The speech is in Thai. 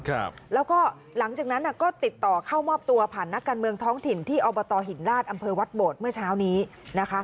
ครับแล้วก็หลังจากนั้นอ่ะก็ติดต่อเข้ามอบตัวผ่านนักการเมืองท้องถิ่นที่อบตหินราชอำเภอวัดโบดเมื่อเช้านี้นะคะ